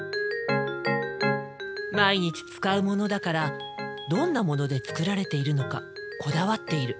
毎日使うものだからどんなもので作られているのかこだわっている。